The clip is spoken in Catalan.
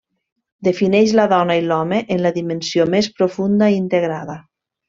Defineix la dona i l'home en la dimensió més profunda i integrada.